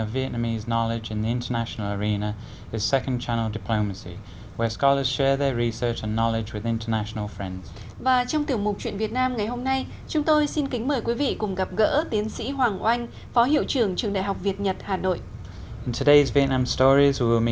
và trong tiểu mục chuyện việt nam ngày hôm nay chúng tôi xin kính mời quý vị cùng gặp gỡ tiến sĩ hoàng oanh phó hiệu trưởng trường đại học việt nhật hà nội